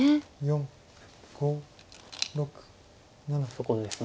そこです。